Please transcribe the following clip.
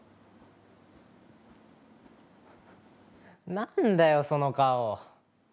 なんだよ、その顔。